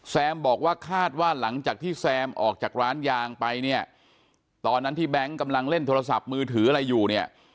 บอกว่าคาดว่าหลังจากที่แซมออกจากร้านยางไปเนี่ยตอนนั้นที่แบงค์กำลังเล่นโทรศัพท์มือถืออะไรอยู่เนี่ย